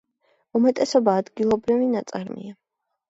უმეტესობა ადგილობრივი ნაწარმია.